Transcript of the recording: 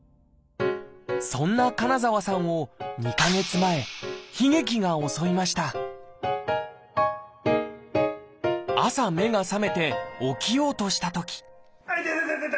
そんな金澤さんを２か月前悲劇が襲いました朝目が覚めて起きようとしたとき痛い痛い痛い！